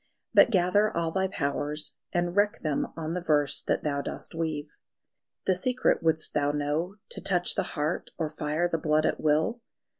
But gather all thy powers, and wreck them on the verse That thou dost weave. ... The secret wouldst thou know To touch the heart or fire the blood at will?